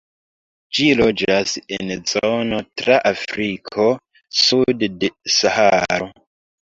Ĝi loĝas en zono tra Afriko sude de Saharo.